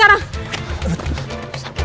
cepet jalan pak